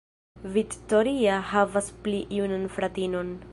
Victoria havas pli junan fratinon.